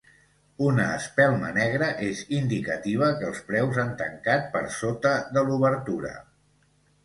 Una espelma negra és indicativa que els preus han tancat per sota de l'obertura.